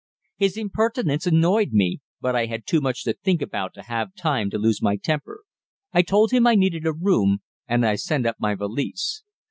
His impertinence annoyed me, but I had too much to think about to have time to lose my temper. I told him I needed a room, and I sent up my valise.